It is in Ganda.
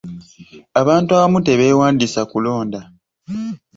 Abantu abamu tebeewandiisa kulonda.